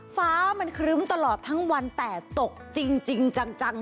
ฟ้ามันครึ้มตลอดทั้งวันแต่ตกจริงจัง